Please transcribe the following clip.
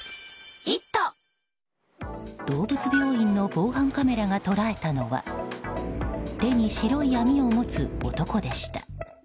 動物病院の防犯カメラが捉えたのは手に白い網を持つ男でした。